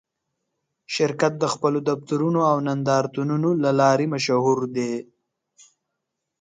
شرکت د خپلو دفترونو او نندارتونونو له لارې مشهور دی.